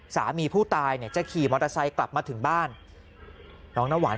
สามีผู้ตายเนี่ยจะขี่มอเตอร์ไซค์กลับมาถึงบ้านน้องน้ำหวาน